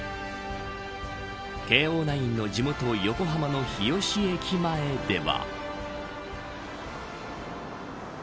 慶応ナインの地元、横浜の日吉駅前では。